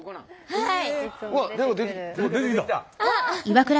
はい。